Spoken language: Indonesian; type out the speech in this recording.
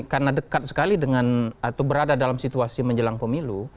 karena dekat sekali dengan atau berada dalam situasi menjelang pemilu